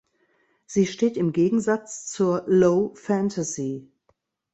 Sie steht im Gegensatz zur "Low Fantasy".